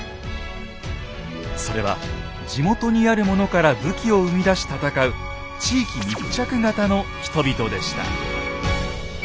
それは地元にあるものから武器を生み出し戦う地域密着型の人々でした。